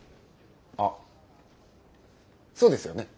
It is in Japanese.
あっそうですよね？